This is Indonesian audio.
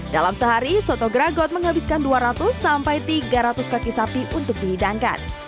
dalam sehari soto gragot menghabiskan dua ratus sampai tiga ratus kaki sapi untuk dihidangkan